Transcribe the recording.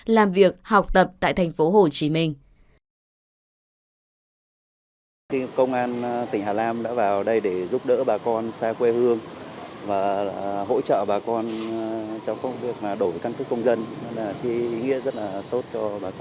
làm việc học tập tại thành phố hồ chí minh